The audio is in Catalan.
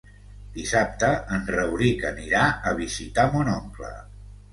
Dissabte en Rauric anirà a visitar mon oncle.